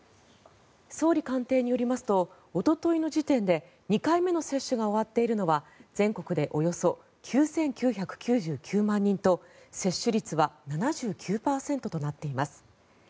総理官邸によりますとおとといの時点で２回目の接種が終わっているのは全国でおよそ９９９９万人と接種率は７９％となっています。